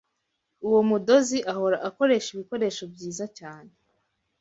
Uwo mudozi ahora akoresha ibikoresho byiza cyane.